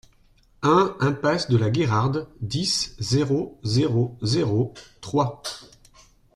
un impasse de la Guerarde, dix, zéro zéro zéro, Troyes